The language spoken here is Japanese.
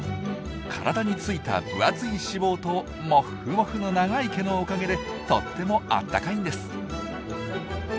体についた分厚い脂肪とモッフモフの長い毛のおかげでとってもあったかいんです。